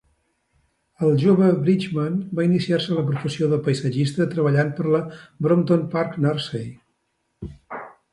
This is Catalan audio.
El jove Bridgeman va iniciar-se a la professió de paisatgista treballant per la Brompton Park Nursery.